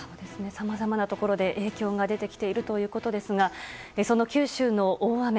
さまざまなところで、影響が出てきているということですがその九州の大雨